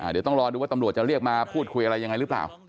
เดี๋ยวต้องรอดูว่าตำรวจจะเรียกมาพูดคุยอะไรยังไงหรือเปล่า